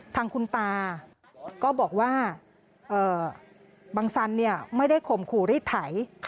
ทางคุณตาก็บอกว่าบังสันไม่ได้ข่มขู่รีดไถ